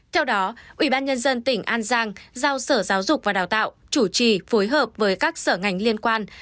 theo đó ubnd tỉnh an giang giao sở giáo dục và đào tạo chủ trì phối hợp với các sở ngành liên quan